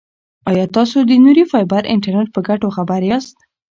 ایا تاسو د نوري فایبر انټرنیټ په ګټو خبر یاست؟